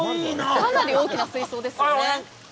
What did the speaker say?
かなり大きな水槽ですよね。